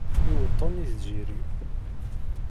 Iweṭṭen i tziri